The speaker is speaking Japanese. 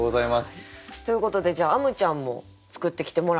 ということでじゃああむちゃんも作ってきてもらった？